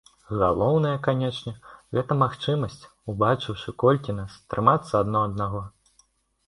Галоўнае, канечне, гэта магчымасць, убачыўшы, колькі нас, трымацца адно аднаго.